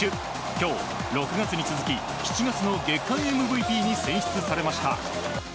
今日、６月に続き７月の月間ＭＶＰに選出されました。